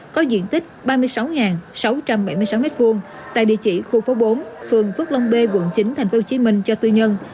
có diện tích ba mươi sáu sáu trăm bảy mươi sáu m hai tại địa chỉ khu phố bốn phường phước long b quận chín tp hcm cho tư nhân